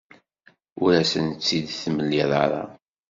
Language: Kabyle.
Ur asen-tt-id-temliḍ ara.